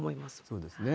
そうですね。